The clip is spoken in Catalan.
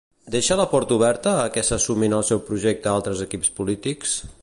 Deixa la porta oberta a què se sumin al seu projecte altres equips polítics?